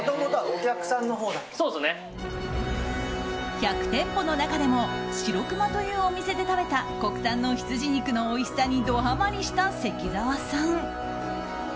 １００店舗の中でもしろくまというお店で食べた国産のヒツジ肉のおいしさにドハマリした関澤さん。